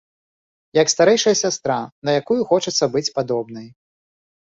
Як старэйшая сястра, на якую хочацца быць падобнай.